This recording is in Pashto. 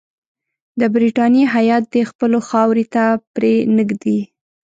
د برټانیې هیات دي خپلو خاورې ته پرې نه ږدي.